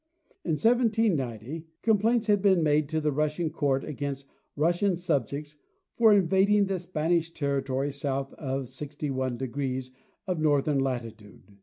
In 1790 complaints had been made to the Russian court against Russian subjects for invading the Spanish territory south of 61° of northern latitude.